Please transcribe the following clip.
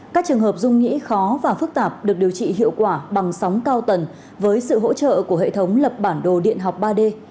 các trường hợp dung nhĩ khó và phức tạp được điều trị hiệu quả bằng sóng cao tần với sự hỗ trợ của hệ thống lập bản đồ điện học ba d